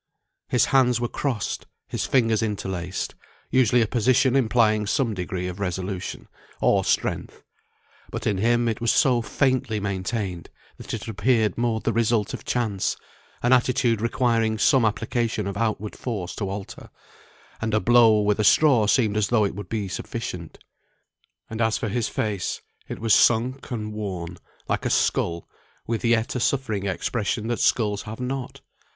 His hands were crossed, his fingers interlaced; usually a position implying some degree of resolution, or strength; but in him it was so faintly maintained, that it appeared more the result of chance; an attitude requiring some application of outward force to alter, and a blow with a straw seemed as though it would be sufficient. And as for his face, it was sunk and worn, like a skull, with yet a suffering expression that skulls have not!